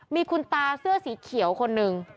มีคุณตาเสื้อสีเขียวคนหนึ่ง